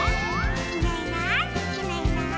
「いないいないいないいない」